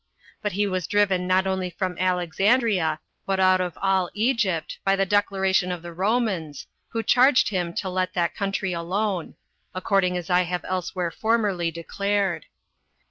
But he was driven not only from Alexandria, but out of all Egypt, by the declaration of the Romans, who charged him to let that country alone; according as I have elsewhere formerly declared.